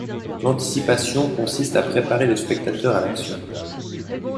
L'anticipation consiste à préparer le spectateur à l'action.